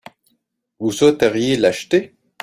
Vous souhaiteriez l'acheter ?